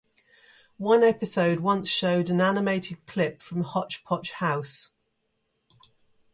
One episode once showed an animated clip from "Hotch Potch House".